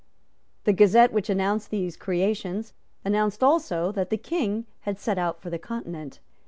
The Gazette which announced these creations announced also that the King had set out for the Continent.